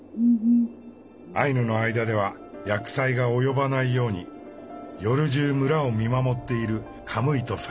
アイヌの間では厄災が及ばないように夜じゅう村を見守っているカムイとされています。